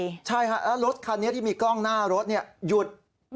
แล้วรถคันนี้ที่มีกล้องหน้ารถเนี่ยหยุด